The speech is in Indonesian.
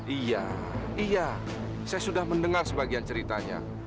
iya iya saya sudah mendengar sebagian ceritanya